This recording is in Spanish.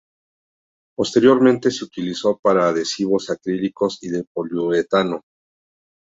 Posteriormente se utilizó para adhesivos acrílicos y de poliuretano.